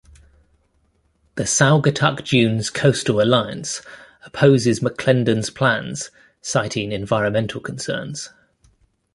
The Saugatuck Dunes Coastal Alliance opposes McClendon's plans, citing environmental concerns.